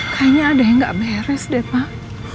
kayaknya ada yang gak beres deh pak